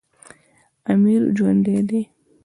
امیر ژوندی دی.